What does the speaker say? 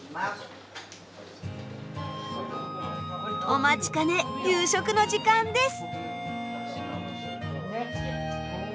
お待ちかね夕食の時間です。